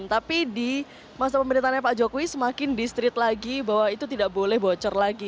tapi di masa pemerintahnya pak jokowi semakin di street lagi bahwa itu tidak boleh bocor lagi